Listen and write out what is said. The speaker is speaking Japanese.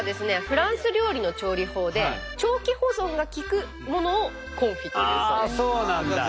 フランス料理の調理法で長期保存が利くものをコンフィというそうです。